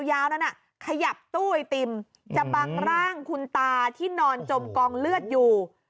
ยาวนั้นขยับตู้ไอติมจะบังร่างคุณตาที่นอนจมกองเลือดอยู่